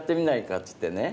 っつってね